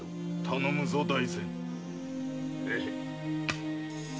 頼むぞ大膳。